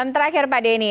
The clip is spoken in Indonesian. terakhir pak denny